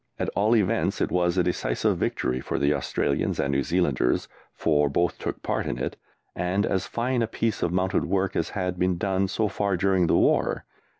At all events it was a decisive victory for the Australians and New Zealanders (for both took part in it), and as fine a piece of mounted work as had been done so far during the war.